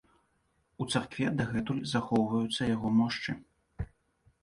У царкве дагэтуль захоўваюцца яго мошчы.